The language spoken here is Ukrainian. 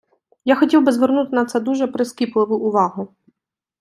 Я хотів би звернути на це дуже прискіпливу увагу.